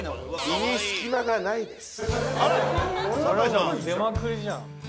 腹が出まくりじゃん。